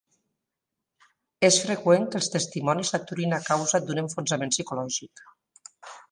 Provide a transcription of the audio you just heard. És freqüent que els testimonis s'aturin a causa d'un enfonsament psicològic.